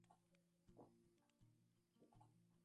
Fue un mediocampista de buen pie, de juego vistoso y veloz.